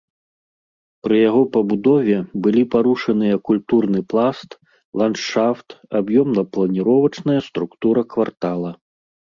Пры яго пабудове былі парушаныя культурны пласт, ландшафт, аб'ёмна-планіровачная структура квартала.